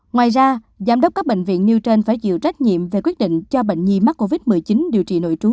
ngoài ra giám đốc các bệnh viện nêu trên phải chịu trách nhiệm về quyết định cho bệnh nhi mắc covid một mươi chín điều trị nội trú